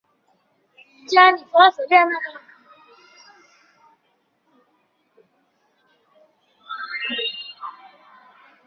该山也是一等卫星控制点。